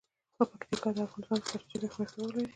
پکتیکا د افغانستان په ستراتیژیک اهمیت کې رول لري.